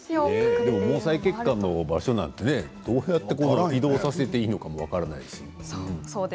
毛細血管の場所なんてどうやって移動させていいのかも分からないし。